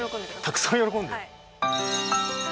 たくさん喜んで？